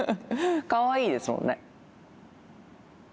かわいいですもんね。